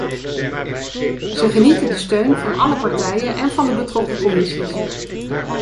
Zij genieten de steun van alle partijen en van de betrokken commissies.